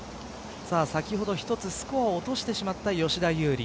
先ほど１つスコアを落としてしまった吉田優利